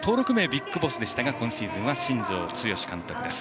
ＢＩＧＢＯＳＳでしたが今シーズンは新庄剛志監督です。